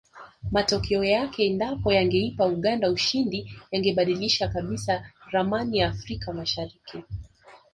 Matokeo yake endapo yangeipa Uganda ushindi yangebadilisha kabisa ramani ya Afrika mashariki